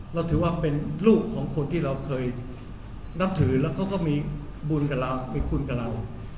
เราถือว่าเป็นลูกของคนที่เราเคยนับถือแล้วเขาก็มีบุญกับเรามีคุณกับเรา